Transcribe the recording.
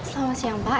selamat siang pak